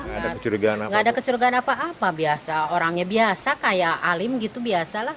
tidak ada kecurigaan apa apa biasa orangnya biasa kayak alim gitu biasa lah